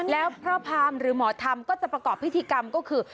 แล้วพระพรามหรือหมอธรรมก็จะประกอบพิธีกรรมก็คือ